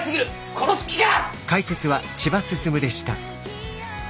殺す気か！